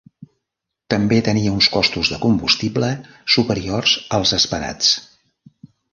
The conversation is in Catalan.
També tenia uns costos de combustible superiors als esperats.